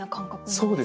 そうですね。